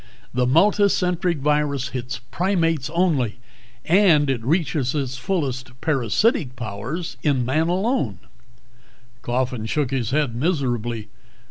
The multicentric virus hits primates only and it reaches its fullest parasitic powers in man alone!" Coffin shook his head miserably.